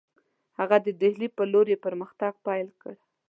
هغه د ډهلي پر لور یې پرمختګ پیل کړی.